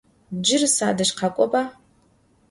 Cıri sadej khak'oba!